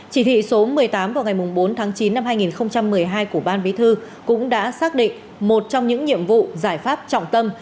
chỉ thị số một mươi tám vào ngày bốn tháng chín năm hai nghìn một mươi hai của ban bí thư cũng đã xác định một trong những nhiệm vụ giải pháp trọng tâm